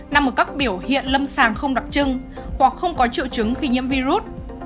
nằm ở các biểu hiện lâm sàng không đặc trưng hoặc không có triệu chứng khi nhiễm virus